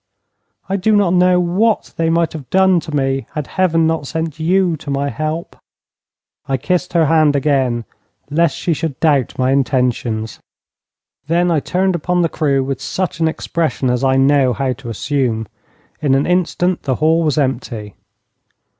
I do not know what they might have done to me had Heaven not sent you to my help.' I kissed her hand again lest she should doubt my intentions. Then I turned upon the crew with such an expression as I know how to assume. In an instant the hall was empty.